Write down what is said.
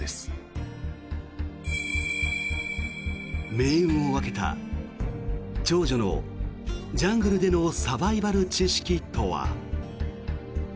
命運を分けた、長女のジャングルでのサバイバル知識とは。